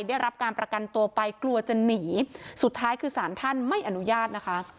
ได้รับการประกันตัวไปกลัวจะหนีสุดท้ายคือสารท่านไม่อนุญาตนะคะ